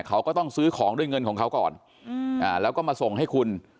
เขาก็ต้องซื้อของด้วยเงินของเขาก่อนแล้วก็มาส่งให้คุณ